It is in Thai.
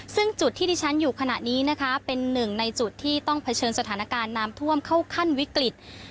ซึ่งจุดที่ที่ฉันอยู่ขณะนี้นะคะเป็นหนึ่งในจุดที่ต้องเผชิญสถานการณ์น้ำท่วมเข้าขั้นวิกฤต